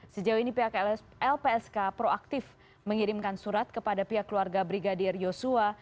sejauh ini pihak lpsk proaktif mengirimkan surat kepada pihak keluarga brigadir yosua